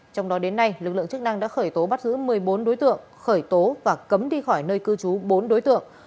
trong đó đến nay lực lượng chức năng đã khởi tố bắt giữ một mươi bốn đối tượng khởi tố và cấm đi khỏi nơi cư trú bốn đối tượng